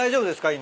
今。